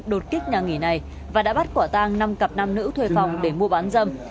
đột kích nhà nghỉ này và đã bắt quả tang năm cặp nam nữ thuê phòng để mua bán dâm